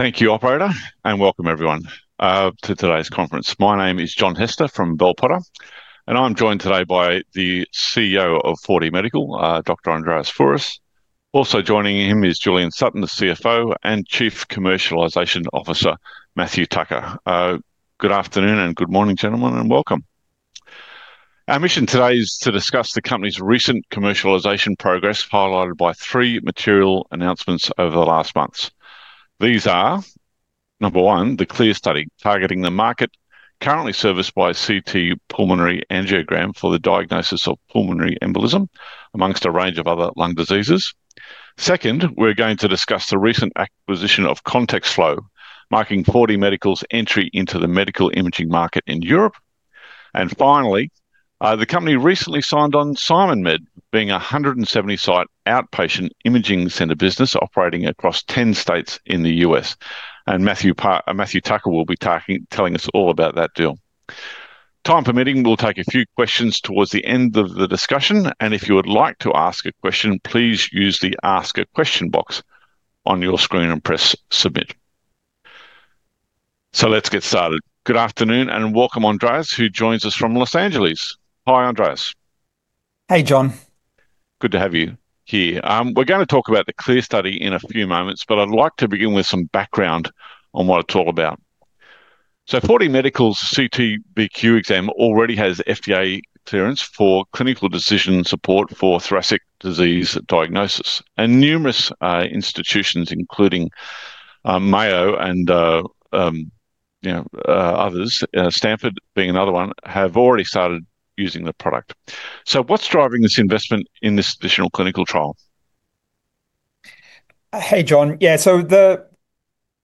Thank you Operator. Welcome everyone to today's conference. My name is John Hester from Bell Potter. I'm joined today by the CEO of 4DMedical, Dr. Andreas Fouras. Also joining him is Julian Sutton, the CFO, and Chief Commercialization Officer, Matthew Tucker. Good afternoon. Good morning gentlemen, and welcome. Our mission today is to discuss the company's recent commercialization progress, highlighted by three material announcements over the last months. These are, number one, the CLEAR study, targeting the market currently serviced by CT pulmonary angiogram for the diagnosis of pulmonary embolism amongst a range of other lung diseases. Second, we're going to discuss the recent acquisition of contextflow, marking 4DMedical's entry into the medical imaging market in Europe. Finally, the company recently signed on SimonMed, being a 170-site outpatient imaging center business operating across 10 states in the U.S., and Matthew Tucker will be telling us all about that deal. Time permitting, we'll take a few questions towards the end of the discussion, and if you would like to ask a question, please use the ask a question box on your screen and press submit. Let's get started. Good afternoon. Welcome Andreas, who joins us from Los Angeles. Hi, Andreas. Hey, John. Good to have you here. We're going to talk about the CLEAR study in a few moments, but I'd like to begin with some background on what it's all about. 4DMedical's CT:VQ exam already has FDA clearance for clinical decision support for thoracic disease diagnosis. Numerous institutions, including Mayo and others, Stanford being another one, have already started using the product. What's driving this investment in this additional clinical trial? Hey, John. Yeah.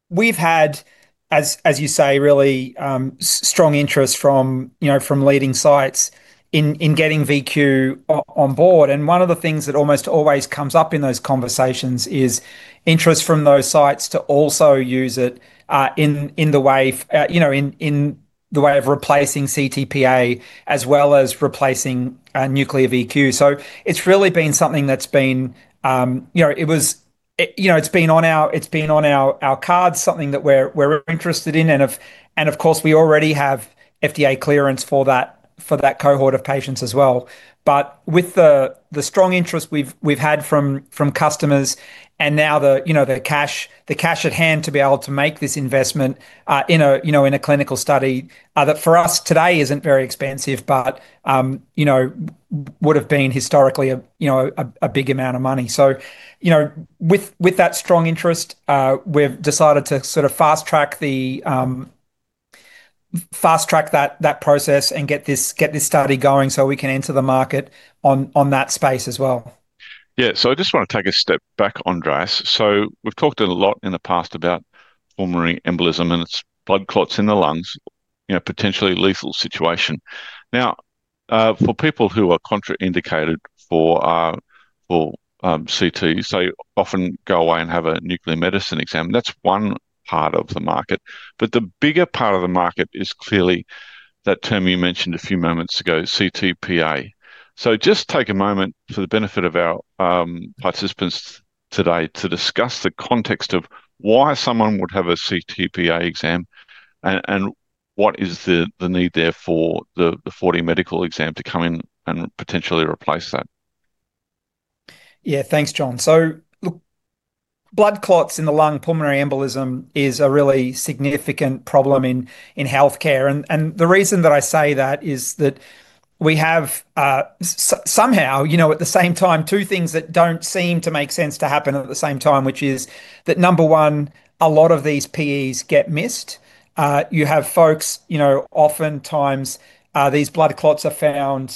We've had, as you say, really strong interest from leading sites in getting VQ on board, and one of the things that almost always comes up in those conversations is interest from those sites to also use it in the way of replacing CTPA as well as replacing nuclear VQ. It's been on our cards, something that we're interested in, and of course, we already have FDA clearance for that cohort of patients as well. With the strong interest we've had from customers and now the cash at hand to be able to make this investment in a clinical study, that for us today isn't very expensive, but would've been historically a big amount of money. With that strong interest, we've decided to sort of fast track that process and get this study going so we can enter the market on that space as well. Yeah. I just want to take a step back, Andreas. We've talked a lot in the past about pulmonary embolism, and it's blood clots in the lungs, potentially lethal situation. Now, for people who are contraindicated for CT, so often go away and have a nuclear medicine exam. That's one part of the market, but the bigger part of the market is clearly that term you mentioned a few moments ago, CTPA. Just take a moment for the benefit of our participants today to discuss the context of why someone would have a CTPA exam, and what is the need there for the 4DMedical exam to come in and potentially replace that. Yeah. Thanks, John. Look, blood clots in the lung, pulmonary embolism, is a really significant problem in healthcare. The reason that I say that is that we have somehow, at the same time, two things that don't seem to make sense to happen at the same time, which is that number one, a lot of these PEs get missed. You have folks, oftentimes, these blood clots are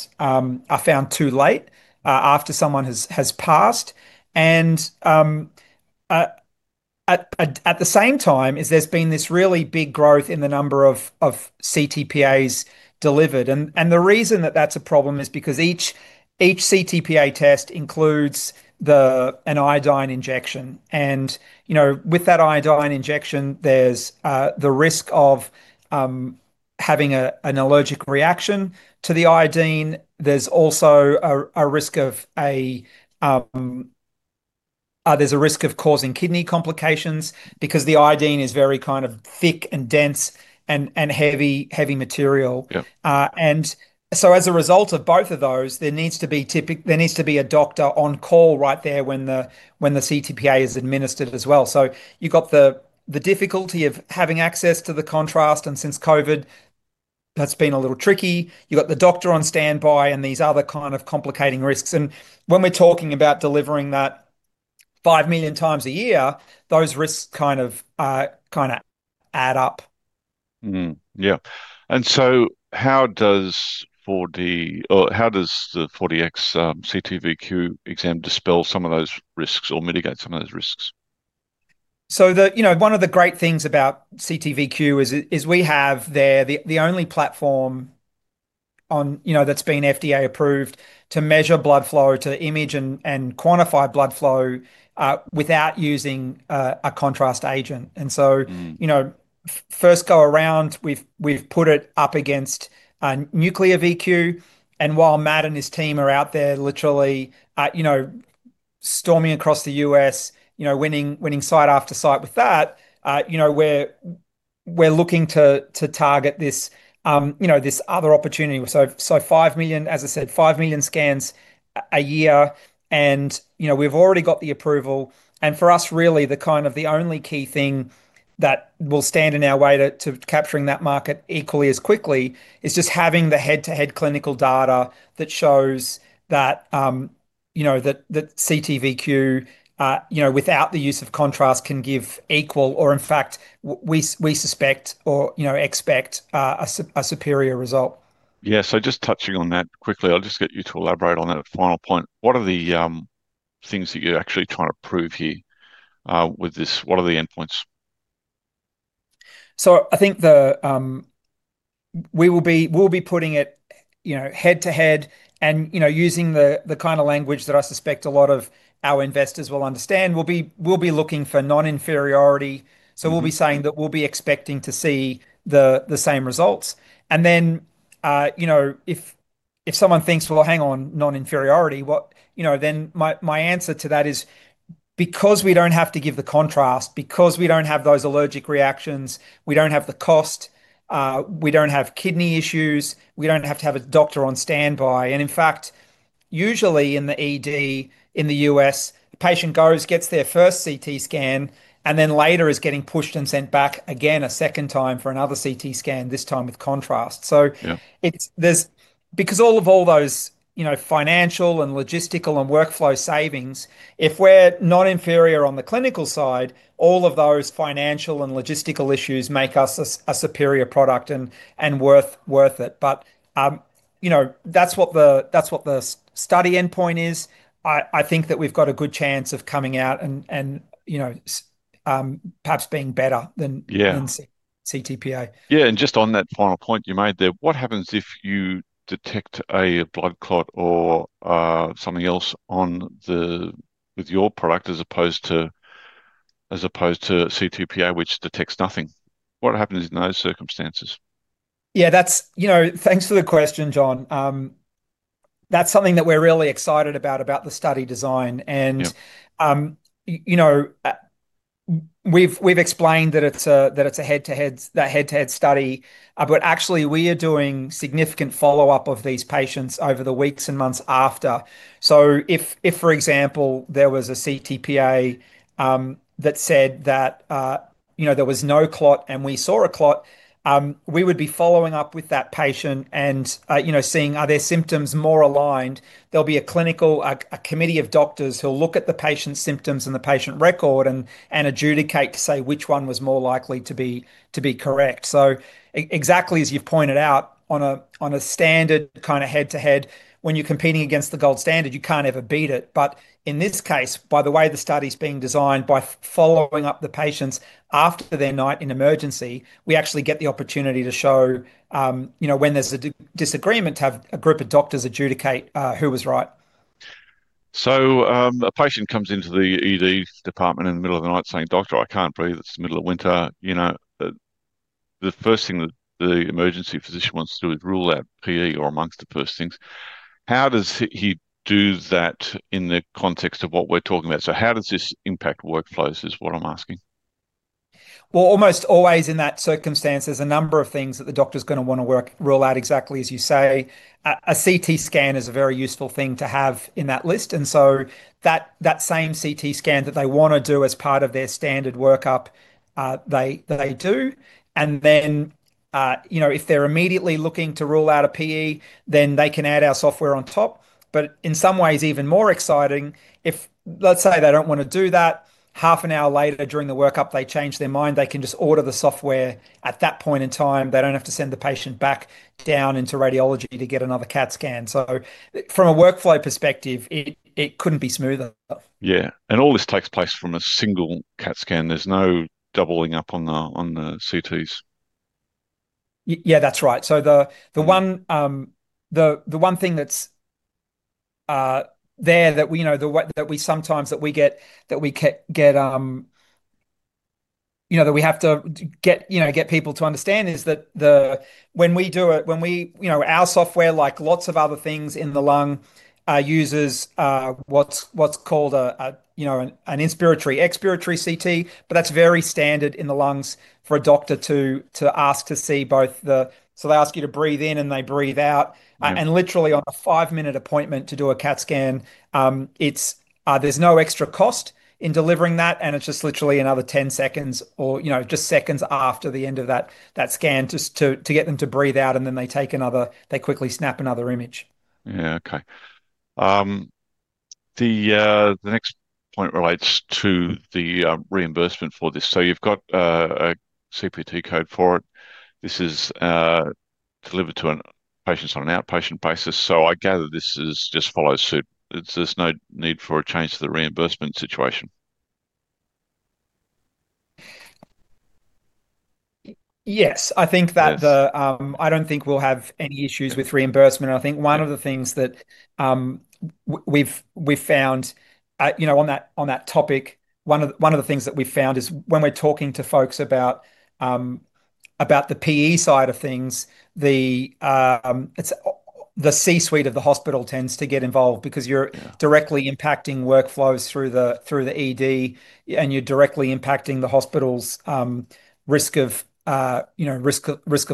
found too late, after someone has passed. At the same time is there's been this really big growth in the number of CTPAs delivered. The reason that that's a problem is because each CTPA test includes an iodine injection. With that iodine injection, there's the risk of having an allergic reaction to the iodine. There's a risk of causing kidney complications because the iodine is very thick and dense, and heavy material. Yeah. As a result of both of those, there needs to be a doctor on call right there when the CTPA is administered as well. You've got the difficulty of having access to the contrast, and since COVID, that's been a little tricky. You've got the doctor on standby and these other kind of complicating risks. When we're talking about delivering that five million times a year, those risks kind of add up. Yeah. How does the 4DX CT:VQ exam dispel some of those risks or mitigate some of those risks? One of the great things about CT:VQ is we have the only platform that's been FDA approved to measure blood flow, to image and quantify blood flow, without using a contrast agent. First go around, we've put it up against nuclear VQ, while Matt and his team are out there literally storming across the U.S., winning site after site with that, we're looking to target this other opportunity. Five million, as I said, five million scans a year, we've already got the approval. For us, really, the only key thing that will stand in our way to capturing that market equally as quickly is just having the head-to-head clinical data that shows that CT:VQ, without the use of contrast, can give equal or in fact, we suspect or expect a superior result. Yeah. Just touching on that quickly, I'll just get you to elaborate on that final point. What are the things that you're actually trying to prove here with this? What are the endpoints? I think we'll be putting it head-to-head and using the kind of language that I suspect a lot of our investors will understand. We'll be looking for non-inferiority. We'll be saying that we'll be expecting to see the same results. If someone thinks, well, hang on, non-inferiority? Then my answer to that is because we don't have to give the contrast, because we don't have those allergic reactions, we don't have the cost, we don't have kidney issues, we don't have to have a doctor on standby. In fact, usually in the ED in the U.S., the patient goes, gets their first CT scan, and then later is getting pushed and sent back again a second time for another CT scan, this time with contrast. Yeah. Because of all those financial and logistical and workflow savings, if we're not inferior on the clinical side, all of those financial and logistical issues make us a superior product and worth it. That's what the study endpoint is. I think that we've got a good chance of coming out and perhaps being better than- Yeah. -than CTPA. Yeah. Just on that final point you made there, what happens if you detect a blood clot or something else with your product as opposed to CTPA, which detects nothing? What happens in those circumstances? Yeah. Thanks for the question, John. That's something that we're really excited about the study design. Yeah. We've explained that it's a head-to-head study, but actually we are doing significant follow-up of these patients over the weeks and months after. If, for example, there was a CTPA that said that there was no clot and we saw a clot, we would be following up with that patient and seeing are their symptoms more aligned. There'll be a committee of doctors who'll look at the patient's symptoms and the patient record and adjudicate to say which one was more likely to be correct. Exactly as you've pointed out, on a standard head-to-head, when you're competing against the gold standard, you can't ever beat it. In this case, by the way the study's being designed, by following up the patients after their night in emergency, we actually get the opportunity to show when there's a disagreement to have a group of doctors adjudicate who was right. A patient comes into the ED department in the middle of the night saying, Doctor, I can't breathe. It's the middle of winter. The first thing that the emergency physician wants to do is rule out PE, or amongst the first things. How does he do that in the context of what we're talking about? How does this impact workflows is what I'm asking? Almost always in that circumstance, there's a number of things that the doctor's going to want to rule out exactly as you say. A CT scan is a very useful thing to have in that list. That same CT scan that they want to do as part of their standard workup, they do. Then, if they're immediately looking to rule out a PE, then they can add our software on top. In some ways even more exciting, if let's say they don't want to do that, half an hour later during the workup they change their mind, they can just order the software at that point in time. They don't have to send the patient back down into radiology to get another CAT scan. From a workflow perspective, it couldn't be smoother. All this takes place from a single CAT scan. There's no doubling up on the CTs. That's right. The one thing that we have to get people to understand is that when we do it our software, like lots of other things in the lung, uses what's called an inspiratory-expiratory CT. That's very standard in the lungs for a doctor to ask to see. They ask you to breathe in and they breathe out. Literally on a five-minute appointment to do a CAT scan, there's no extra cost in delivering that. It's just literally another 10 seconds or just seconds after the end of that scan just to get them to breathe out, then they quickly snap another image. Yeah. Okay. The next point relates to the reimbursement for this. You've got a CPT code for it. This is delivered to patients on an outpatient basis, I gather this just follows suit. There's no need for a change to the reimbursement situation. Yes. I don't think we'll have any issues with reimbursement. I think one of the things that we've found on that topic is when we're talking to folks about the PE side of things, the C-suite of the hospital tends to get involved because you're directly impacting workflows through the ED. You're directly impacting the hospital's risk of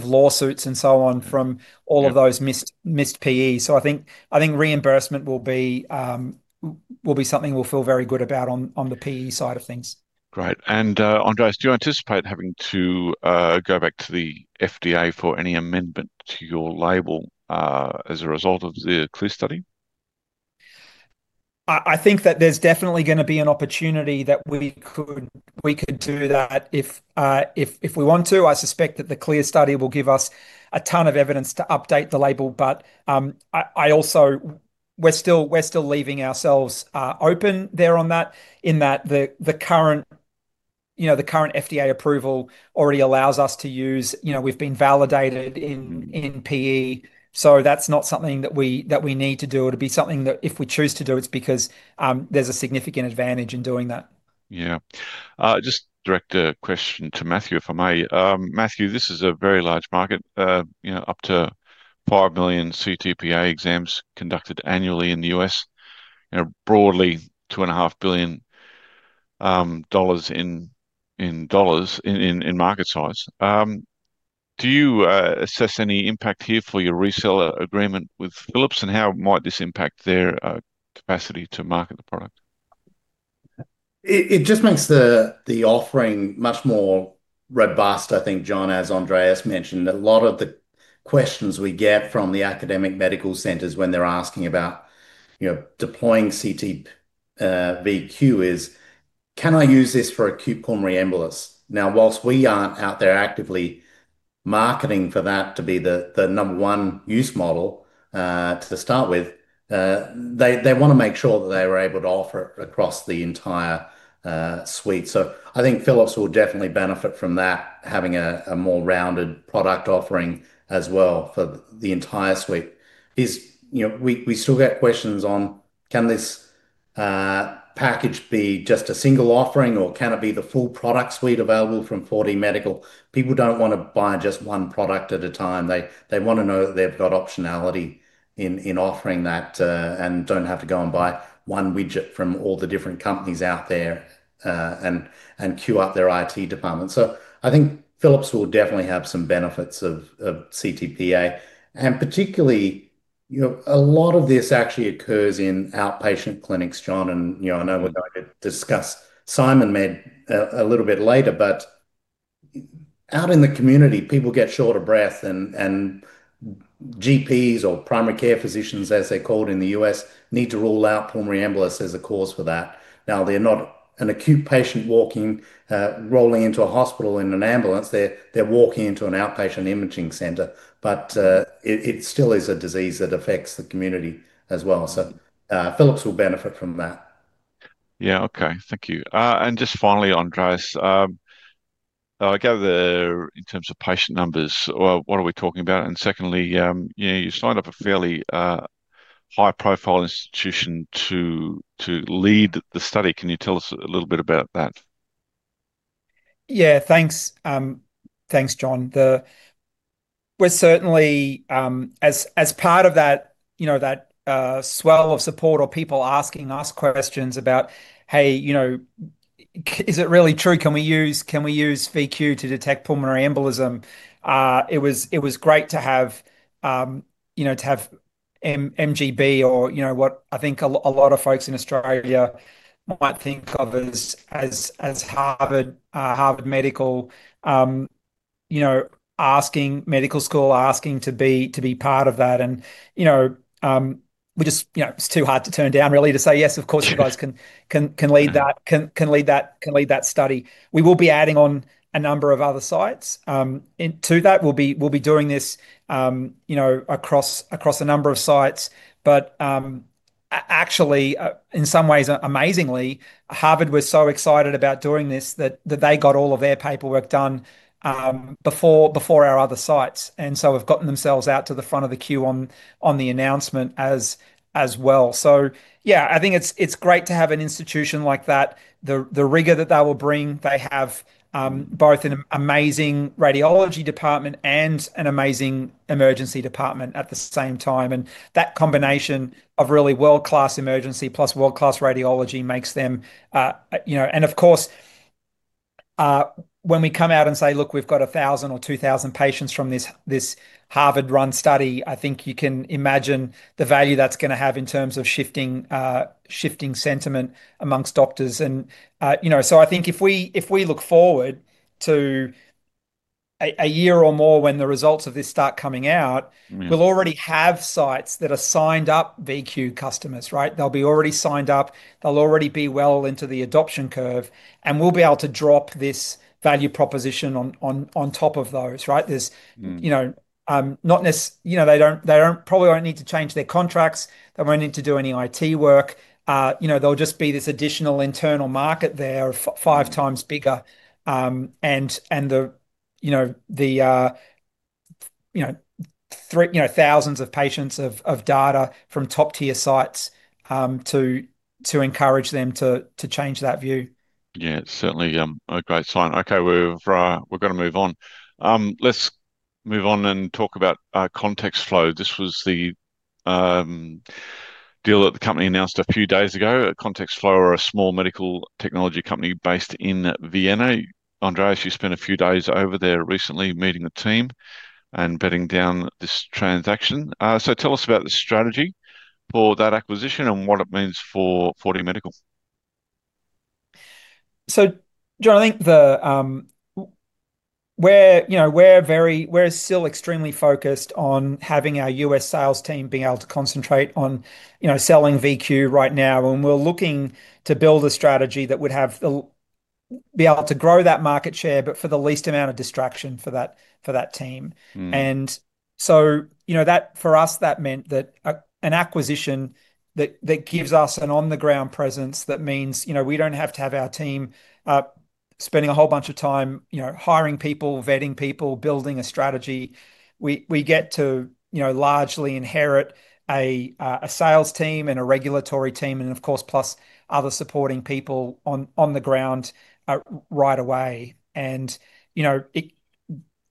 lawsuits, so on from all of those missed PEs. I think reimbursement will be something we'll feel very good about on the PE side of things. Great. Andreas, do you anticipate having to go back to the FDA for any amendment to your label as a result of the CLEAR study? I think that there's definitely going to be an opportunity that we could do that if we want to. I suspect that the CLEAR study will give us a ton of evidence to update the label, but we're still leaving ourselves open there on that, in that the current FDA approval already allows us to use. We've been validated in PE, so that's not something that we need to do. It'll be something that if we choose to do, it's because there's a significant advantage in doing that. Yeah. Just direct a question to Matthew, if I may. Matthew, this is a very large market, up to five million CTPA exams conducted annually in the U.S. Broadly, $2.5 billion in market size. Do you assess any impact here for your reseller agreement with Philips, and how might this impact their capacity to market the product? It just makes the offering much more robust, I think, John. As Andreas mentioned, a lot of the questions we get from the Academic Medical Centers when they're asking about deploying CT:VQ is, can I use this for acute pulmonary embolus? Whilst we aren't out there actively marketing for that to be the number one use model to start with, they want to make sure that they were able to offer it across the entire suite. I think Philips will definitely benefit from that, having a more rounded product offering as well for the entire suite. We still get questions on can this package be just a single offering or can it be the full product suite available from 4DMedical? People don't want to buy just one product at a time. They want to know that they've got optionality in offering that, and don't have to go and buy one widget from all the different companies out there, and queue up their IT department. I think Philips will definitely have some benefits of CTPA, and particularly, a lot of this actually occurs in outpatient clinics, John, and I know we're going to discuss SimonMed a little bit later. Out in the community, people get short of breath, and GPs or primary care physicians, as they're called in the U.S., need to rule out pulmonary embolism as a cause for that. They're not an acute patient walking, rolling into a hospital in an ambulance. They're walking into an outpatient imaging center. It still is a disease that affects the community as well. Philips will benefit from that. Yeah, okay. Thank you. Just finally, Andreas, I gather in terms of patient numbers, what are we talking about? Secondly, you signed up a fairly high-profile institution to lead the study. Can you tell us a little bit about that? Yeah, thanks John. As part of that swell of support or people asking us questions about, hey, is it really true? Can we use VQ to detect pulmonary embolism? It was great to have MGB or what I think a lot of folks in Australia might think of as Harvard Medical School asking to be part of that. It's too hard to turn down really, to say, yes, of course you guys can lead that study. We will be adding on a number of other sites into that. We'll be doing this across a number of sites. Actually, in some ways, amazingly, Harvard was so excited about doing this that they got all of their paperwork done before our other sites. So have gotten themselves out to the front of the queue on the announcement as well. Yeah, I think it's great to have an institution like that. The rigor that they will bring. They have both an amazing radiology department and an amazing emergency department at the same time, and that combination of really world-class emergency plus world-class radiology makes them. Of course, when we come out and say, look, we've got 1,000 or 2,000 patients from this Harvard run study, I think you can imagine the value that's going to have in terms of shifting sentiment amongst doctors. So I think if we look forward to a year or more when the results of this start coming out. We'll already have sites that are signed up VQ customers, right? They'll be already signed up, they'll already be well into the adoption curve, and we'll be able to drop this value proposition on top of those, right? They probably won't need to change their contracts. They won't need to do any IT work. There'll just be this additional internal market there 5x bigger. The thousands of patients of data from top-tier sites to encourage them to change that view. Yeah. It's certainly a great sign. Okay, we're going to move on. Let's move on and talk about contextflow. This was the deal that the company announced a few days ago. contextflow are a small medical technology company based in Vienna. Andreas, you spent a few days over there recently meeting the team and bedding down this transaction. Tell us about the strategy for that acquisition and what it means for 4DMedical? John, I think we're still extremely focused on having our U.S. sales team being able to concentrate on selling VQ right now. We're looking to build a strategy that would be able to grow that market share, but for the least amount of distraction for that team. For us, that meant that an acquisition that gives us an on-the-ground presence, that means we don't have to have our team spending a whole bunch of time hiring people, vetting people, building a strategy. We get to largely inherit a sales team and a regulatory team and, of course, plus other supporting people on the ground right away.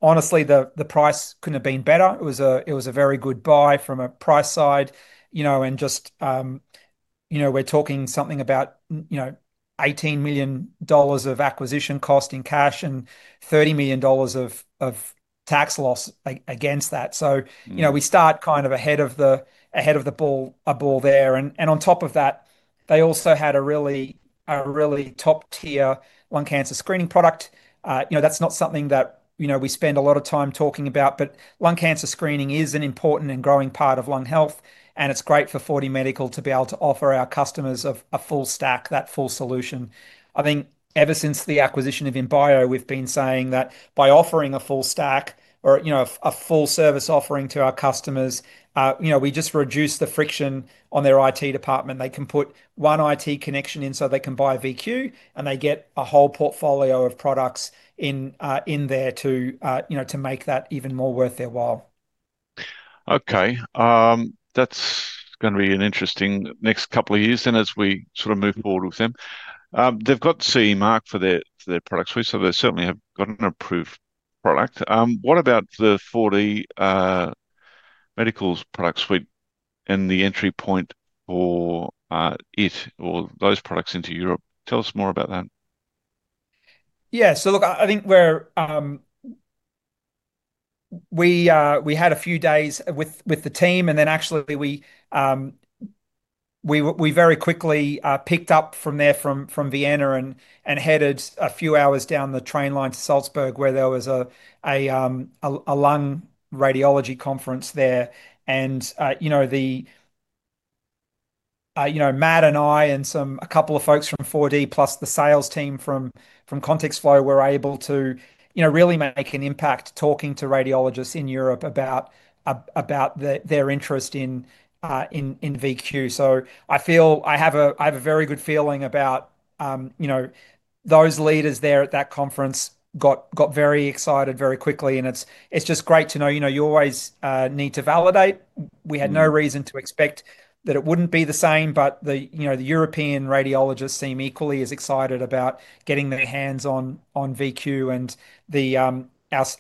Honestly, the price couldn't have been better. It was a very good buy from a price side, and just we're talking something about 18 million dollars of acquisition cost in cash and 30 million dollars of tax loss against that. We start kind of ahead of the ball there. On top of that, they also had a really top-tier lung cancer screening product. That's not something that we spend a lot of time talking about, but lung cancer screening is an important and growing part of lung health, and it's great for 4DMedical to be able to offer our customers a full stack, that full solution. I think ever since the acquisition of Imbio, we've been saying that by offering a full stack or a full service offering to our customers, we just reduce the friction on their IT department. They can put one IT connection in so they can buy VQ, and they get a whole portfolio of products in there to make that even more worth their while. Okay. That's going to be an interesting next couple of years then as we sort of move forward with them. They've got CE mark for their product suite, so they certainly have got an approved product. What about 4DMedical's product suite and the entry point for it or those products into Europe? Tell us more about that. Yeah. Look, I think we had a few days with the team. Actually, we very quickly picked up from there from Vienna and headed a few hours down the train line to Salzburg, where there was a lung radiology conference there. Matt and I and a couple of folks from 4D, plus the sales team from contextflow, were able to really make an impact talking to radiologists in Europe about their interest in VQ. I have a very good feeling about those leaders there at that conference got very excited very quickly, and it's just great to know. You always need to validate. We had no reason to expect that it wouldn't be the same. The European radiologists seem equally as excited about getting their hands on VQ and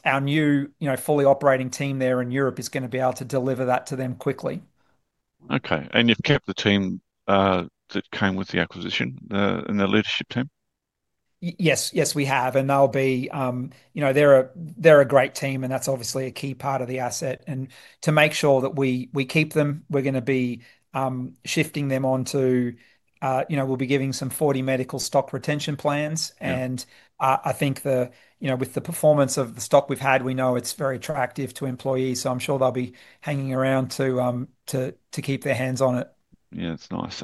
our new fully operating team there in Europe is going to be able to deliver that to them quickly. Okay. You've kept the team that came with the acquisition and the leadership team? Yes. We have, and they're a great team, and that's obviously a key part of the asset. To make sure that we keep them, we're going to be shifting them on to We'll be giving some 4DMedical stock retention plans. Yeah. I think with the performance of the stock we've had, we know it's very attractive to employees, so I'm sure they'll be hanging around to keep their hands on it. Yeah. It's nice.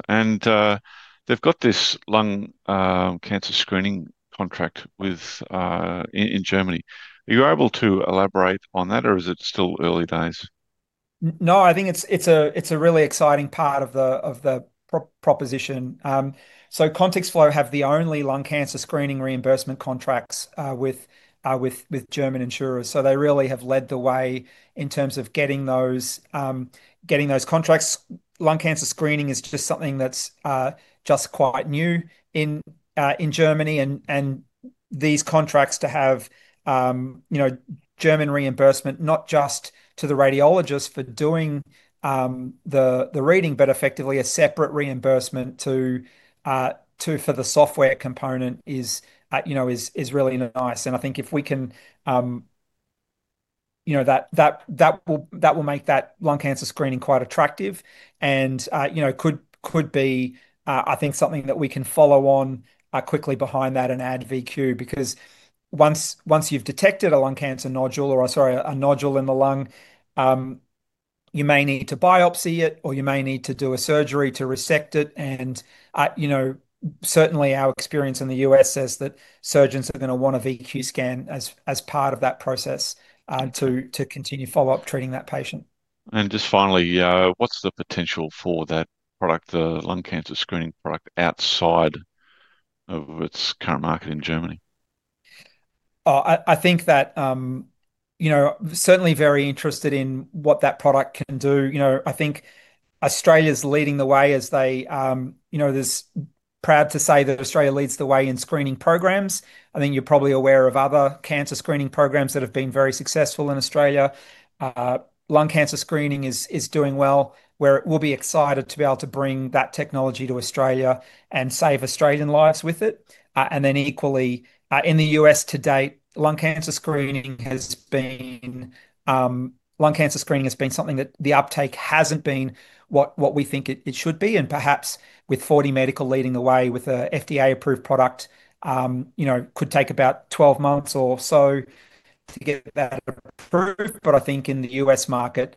They've got this lung cancer screening contract in Germany. Are you able to elaborate on that, or is it still early days? I think it's a really exciting part of the proposition. contextflow have the only lung cancer screening reimbursement contracts with German insurers. They really have led the way in terms of getting those contracts. Lung cancer screening is just something that's just quite new in Germany. These contracts to have German reimbursement, not just to the radiologist for doing the reading, but effectively a separate reimbursement for the software component is really nice. I think that will make that lung cancer screening quite attractive and could be, I think, something that we can follow on quickly behind that and add VQ. Because once you've detected a lung cancer nodule or, sorry, a nodule in the lung, you may need to biopsy it or you may need to do a surgery to resect it. Certainly our experience in the U.S. says that surgeons are going to want a VQ scan as part of that process to continue follow-up treating that patient. Just finally, what's the potential for that product, the lung cancer screening product, outside of its current market in Germany? I think that certainly very interested in what that product can do. I think Australia's leading the way. Proud to say that Australia leads the way in screening programs. I think you're probably aware of other cancer screening programs that have been very successful in Australia. Lung cancer screening is doing well, where we'll be excited to be able to bring that technology to Australia and save Australian lives with it. Equally, in the U.S. to date, lung cancer screening has been something that the uptake hasn't been what we think it should be, and perhaps with 4DMedical leading the way with an FDA-approved product, could take about 12 months or so to get that approved. I think in the U.S. market,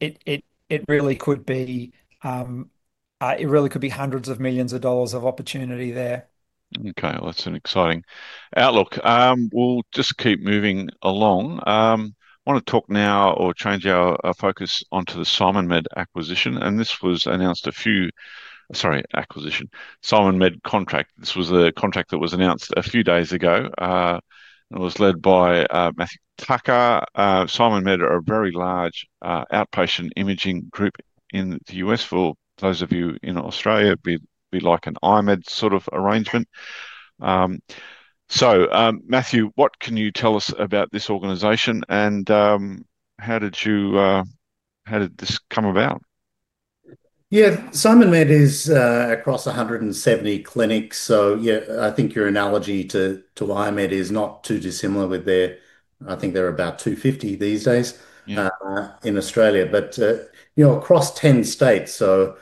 it really could be hundreds of millions of AUD of opportunity there. Okay. Well, that's an exciting outlook. We'll just keep moving along. Want to talk now, or change our focus onto the SimonMed acquisition, and this was announced a few SimonMed contract. This was a contract that was announced a few days ago, and was led by Matthew Tucker. SimonMed are a very large outpatient imaging group in the U.S. For those of you in Australia, it'd be like an I-MED sort of arrangement. Matthew, what can you tell us about this organization and how did this come about? Yeah. SimonMed is across 170 clinics, yeah, I think your analogy to I-MED is not too dissimilar with their, I think they're about 250 these days in Australia. Across 10 states. I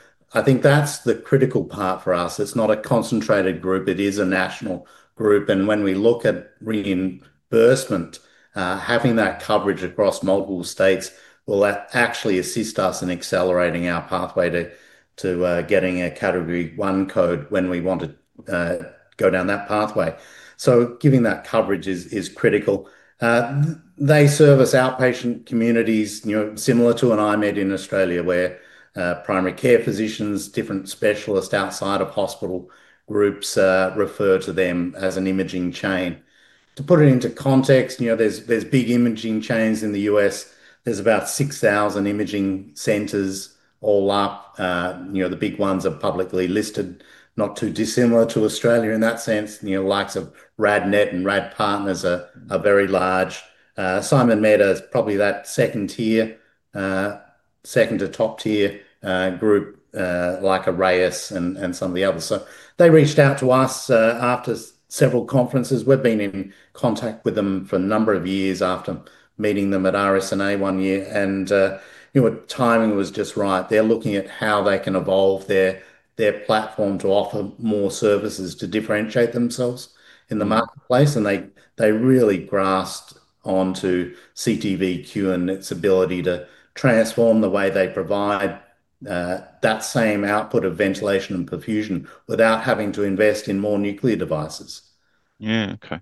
think that's the critical part for us. It's not a concentrated group, it is a national group. When we look at reimbursement, having that coverage across multiple states will actually assist us in accelerating our pathway to getting a Category I code when we want to go down that pathway. Giving that coverage is critical. They service outpatient communities, similar to an I-MED in Australia, where primary care physicians, different specialists outside of hospital groups refer to them as an imaging chain. To put it into context, there's big imaging chains in the U.S. There's about 6,000 imaging centers all up. The big ones are publicly listed, not too dissimilar to Australia in that sense. The likes of RadNet and Rad Partners are very large. SimonMed is probably that second tier, second to top tier group, like a RAYUS and some of the others. They reached out to us after several conferences. We've been in contact with them for a number of years after meeting them at RSNA one year. Timing was just right. They're looking at how they can evolve their platform to offer more services to differentiate themselves in the marketplace, and they really grasped onto CT:VQ and its ability to transform the way they provide that same output of ventilation and perfusion without having to invest in more nuclear devices. Yeah. Okay.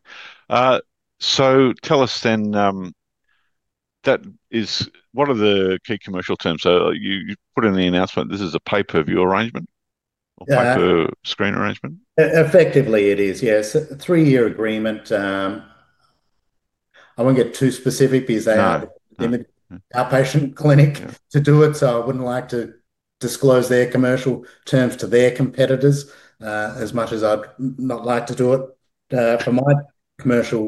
Tell us, what are the key commercial terms? You put in the announcement this is a pay per view arrangement. Yeah. Or pay per screen arrangement? Effectively it is, yes. A three-year agreement. I won't get too specific because they are. Got it. An outpatient clinic to do it, so I wouldn't like to disclose their commercial terms to their competitors, as much as I'd not like to do it for my commercial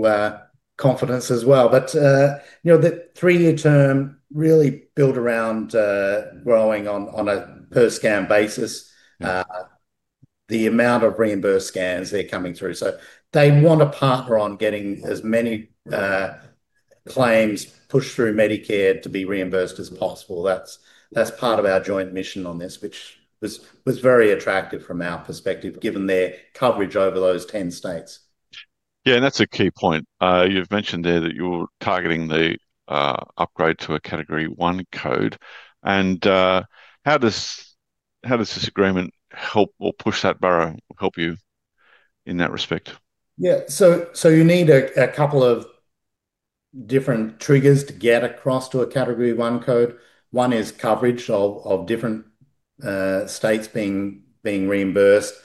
confidence as well. The three-year term really built around growing on a per scan basis. The amount of reimbursed scans that are coming through. They want to partner on getting as many claims pushed through Medicare to be reimbursed as possible. That's part of our joint mission on this, which was very attractive from our perspective, given their coverage over those 10 states. That's a key point. You've mentioned there that you're targeting the upgrade to a Category I code. How does this agreement help or push that further help you in that respect? You need a couple of different triggers to get across to a Category I code. One is coverage of different states being reimbursed.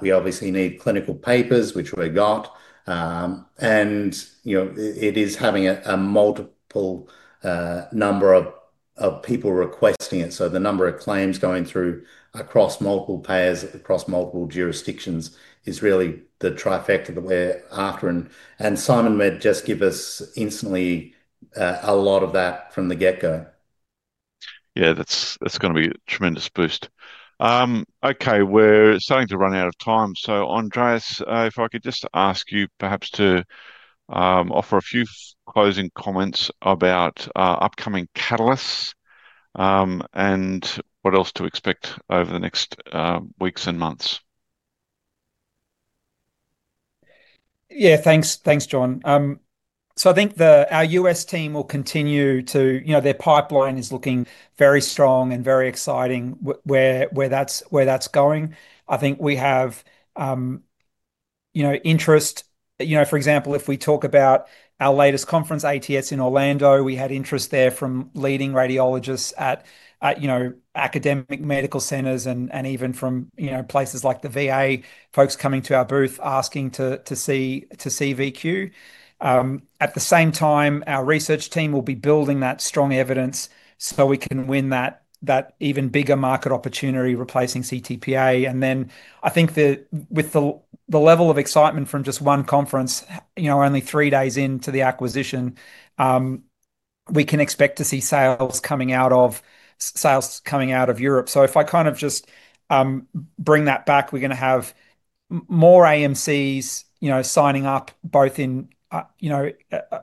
We obviously need clinical papers, which we got. It is having a multiple number of people requesting it. The number of claims going through across multiple payers, across multiple jurisdictions, is really the trifecta that we're after and SimonMed just give us instantly a lot of that from the get-go. That's going to be a tremendous boost. We're starting to run out of time, Andreas, if I could just ask you perhaps to offer a few closing comments about upcoming catalysts, and what else to expect over the next weeks and months. Thanks, John. I think our U.S. team will continue. Their pipeline is looking very strong and very exciting where that's going. I think we have interest. For example, if we talk about our latest conference, ATS in Orlando, we had interest there from leading radiologists at academic medical centers and even from places like the VA, folks coming to our booth asking to see VQ. At the same time, our research team will be building that strong evidence so we can win that even bigger market opportunity replacing CTPA. I think that with the level of excitement from just one conference, only three days into the acquisition, we can expect to see sales coming out of Europe. If I just bring that back, we're going to have more AMCs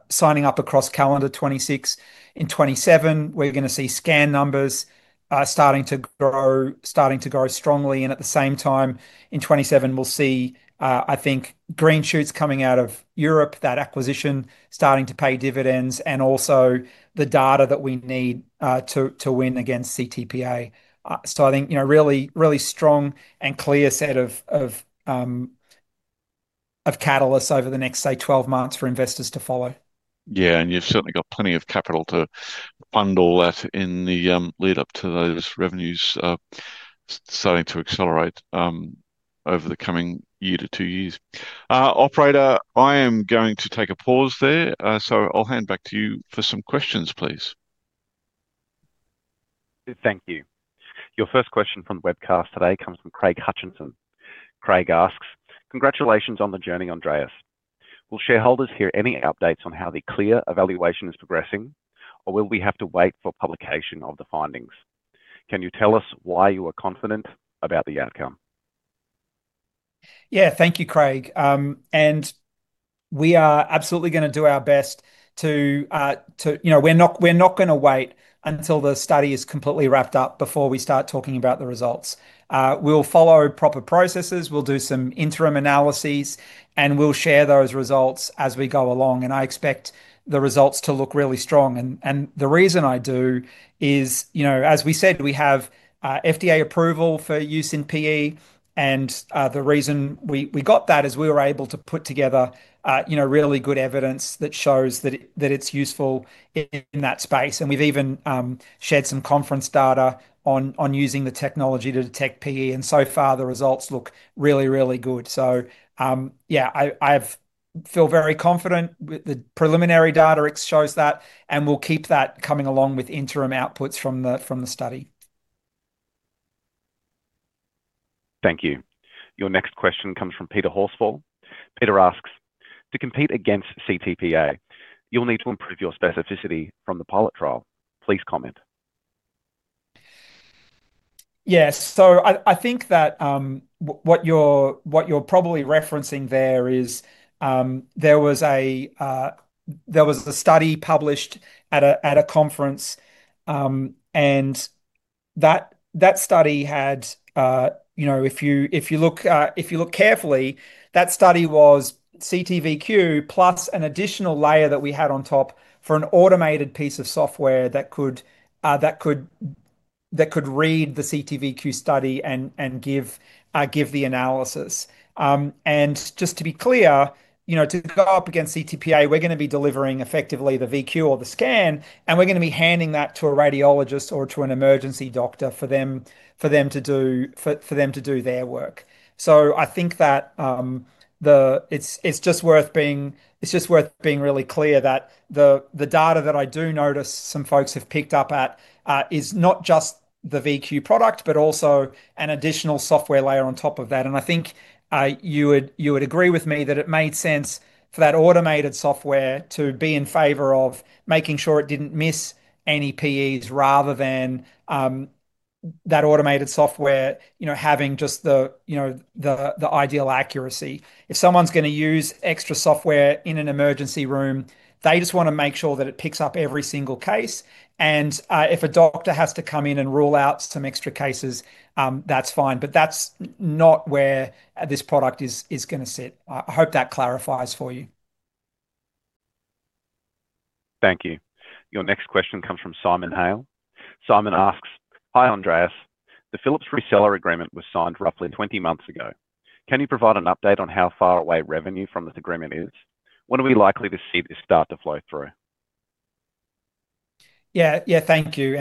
signing up across calendar 2026. In 2027, we're going to see scan numbers starting to grow strongly. At the same time, in 2027, we'll see, I think, green shoots coming out of Europe, that acquisition starting to pay dividends, and also the data that we need to win against CTPA. I think really strong and clear set of catalysts over the next, say, 12 months for investors to follow. You've certainly got plenty of capital to fund all that in the lead up to those revenues starting to accelerate over the coming year to two years. Operator, I am going to take a pause there. I'll hand back to you for some questions, please. Thank you. Your first question from the webcast today comes from Craig Hutchison. Craig asks, Congratulations on the journey, Andreas. Will shareholders hear any updates on how the CLEAR evaluation is progressing, or will we have to wait for publication of the findings? Can you tell us why you are confident about the outcome? Yeah. Thank you, Craig. We are absolutely going to do our best. We're not going to wait until the study is completely wrapped up before we start talking about the results. We'll follow proper processes, we'll do some interim analyses, and we'll share those results as we go along. I expect the results to look really strong. The reason I do is, as we said, we have FDA approval for use in PE, and the reason we got that is we were able to put together really good evidence that shows that it's useful in that space. We've even shared some conference data on using the technology to detect PE, and so far the results look really, really good. Yeah, I feel very confident with the preliminary data. It shows that, and we'll keep that coming along with interim outputs from the study. Thank you. Your next question comes from Peter Horsfall. Peter asks, to compete against CTPA, you'll need to improve your specificity from the pilot trial? Please comment. Yes. I think that what you're probably referencing there is, there was the study published at a conference, and that study had, if you look carefully, that study was CT:VQ plus an additional layer that we had on top for an automated piece of software that could read the CT:VQ study and give the analysis. Just to be clear, to go up against CTPA, we're going to be delivering effectively the VQ or the scan, and we're going to be handing that to a radiologist or to an emergency doctor for them to do their work. I think that it's just worth being really clear that the data that I do notice some folks have picked up at is not just the VQ product, but also an additional software layer on top of that. I think you would agree with me that it made sense for that automated software to be in favor of making sure it didn't miss any PEs rather than that automated software having just the ideal accuracy. If someone's going to use extra software in an emergency room, they just want to make sure that it picks up every single case. If a doctor has to come in and rule out some extra cases, that's fine. That's not where this product is going to sit. I hope that clarifies for you. Thank you. Your next question comes from Simon Hale. Simon asks, Hi, Andreas. The Philips reseller agreement was signed roughly 20 months ago. Can you provide an update on how far away revenue from this agreement is? When are we likely to see this start to flow through? Yeah. Thank you.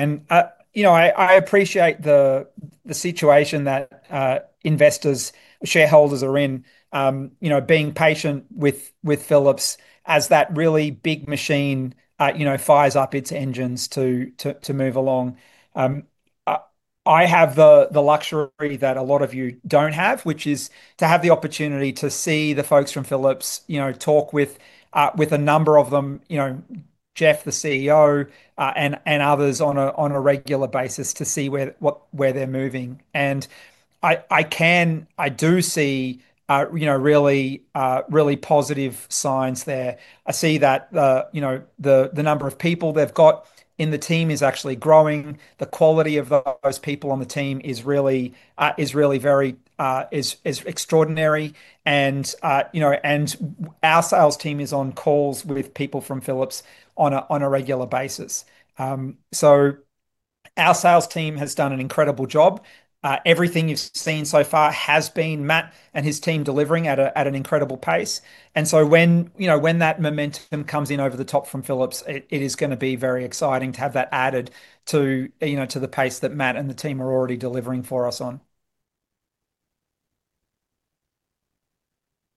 I appreciate the situation that investors, shareholders are in, being patient with Philips as that really big machine fires up its engines to move along. I have the luxury that a lot of you don't have, which is to have the opportunity to see the folks from Philips, talk with a number of them, Jeff, CEO, and others on a regular basis to see where they're moving. I do see really positive signs there. I see that the number of people they've got in the team is actually growing. The quality of those people on the team is really very extraordinary. Our sales team is on calls with people from Philips on a regular basis. Our sales team has done an incredible job. Everything you've seen so far has been Matt and his team delivering at an incredible pace. When that momentum comes in over the top from Philips, it is going to be very exciting to have that added to the pace that Matt and the team are already delivering for us on.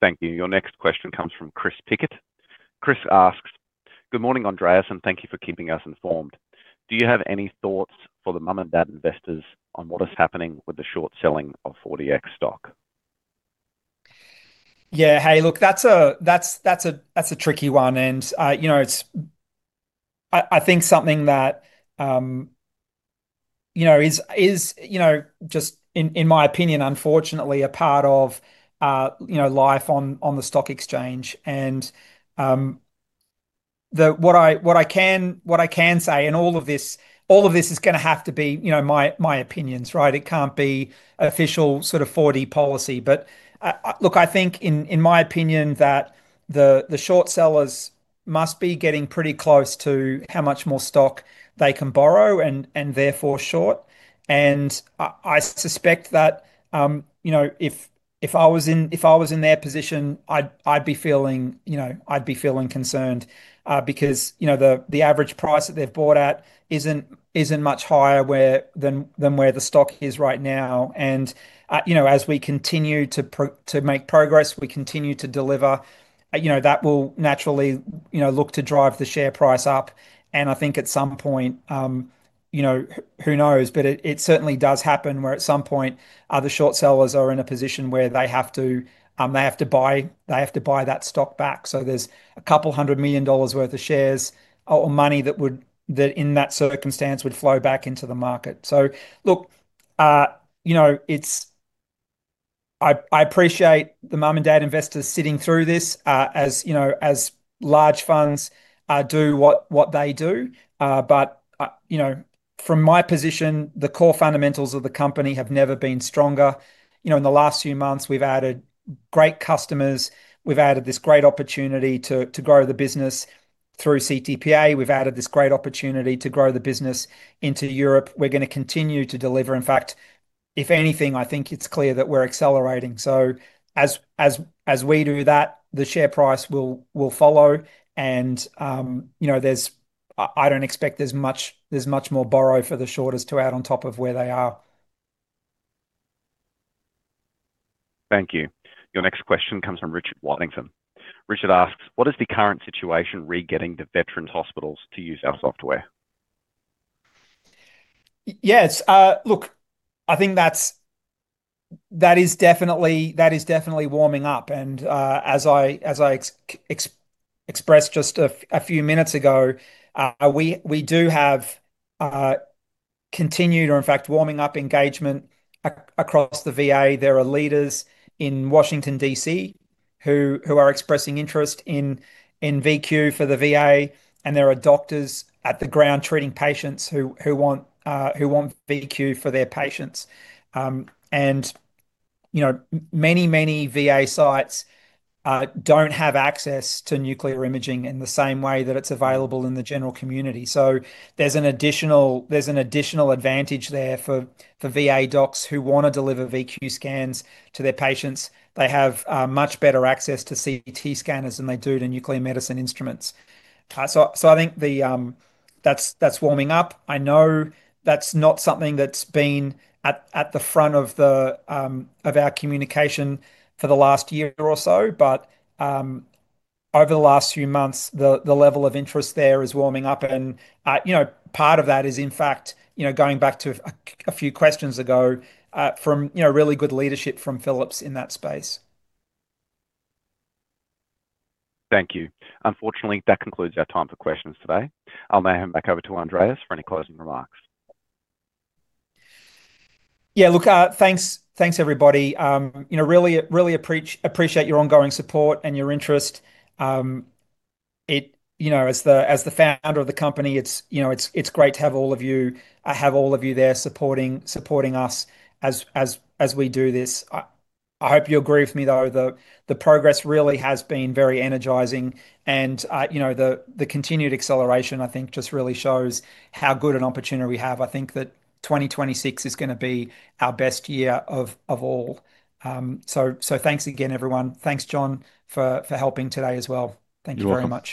Thank you. Your next question comes from Chris Pickett. Chris asks, Good morning, Andreas, and thank you for keeping us informed. Do you have any thoughts for the mum and dad investors on what is happening with the short selling of 4DX stock? Yeah. Hey, look, that's a tricky one. I think something that is just, in my opinion, unfortunately, a part of life on the stock exchange. What I can say, and all of this is going to have to be my opinions, right? It can't be official 4DMedical policy. Look, I think in my opinion, that the short sellers must be getting pretty close to how much more stock they can borrow and therefore short. I suspect that if I was in their position, I'd be feeling concerned, because the average price that they've bought at isn't much higher than where the stock is right now. As we continue to make progress, we continue to deliver, that will naturally look to drive the share price up. I think at some point, who knows? It certainly does happen where at some point, the short sellers are in a position where they have to buy that stock back. There's couple hundred million dollars worth of shares or money that in that circumstance would flow back into the market. Look, I appreciate the mum and dad investors sitting through this, as large funds do what they do. From my position, the core fundamentals of the company have never been stronger. In the last few months, we've added great customers, we've added this great opportunity to grow the business through CTPA, we've added this great opportunity to grow the business into Europe. We're going to continue to deliver. In fact, if anything, I think it's clear that we're accelerating. As we do that, the share price will follow. I don't expect there's much more borrow for the shorters to add on top of where they are. Thank you. Your next question comes from Richard Waddington. Richard asks, what is the current situation re getting the veterans hospitals to use our software? Yes. Look, I think that is definitely warming up. As I expressed just a few minutes ago, we do have continued, or in fact, warming up engagement across the VA. There are leaders in Washington, D.C., who are expressing interest in VQ for the VA, and there are doctors at the ground treating patients who want VQ for their patients. Many, many VA sites don't have access to nuclear imaging in the same way that it's available in the general community. There's an additional advantage there for VA docs who want to deliver VQ scans to their patients. They have much better access to CT scanners than they do to nuclear medicine instruments. I think that's warming up. I know that's not something that's been at the front of our communication for the last year or so, but over the last few months, the level of interest there is warming up. Part of that is in fact, going back to a few questions ago, from really good leadership from Philips in that space. Thank you. Unfortunately, that concludes our time for questions today. I'll hand back over to Andreas for any closing remarks. Look, thanks everybody. Really appreciate your ongoing support and your interest. As the founder of the company, it's great to have all of you there supporting us as we do this. I hope you agree with me, though, the progress really has been very energizing. The continued acceleration I think just really shows how good an opportunity we have. I think that 2026 is going to be our best year of all. Thanks again, everyone. Thanks, John, for helping today as well. Sure. Thank you very much.